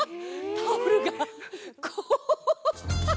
タオルが凍った！